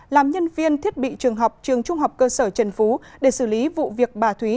làm nhân viên thiết bị trường học trường trung học cơ sở trần phú để xử lý vụ việc bà thúy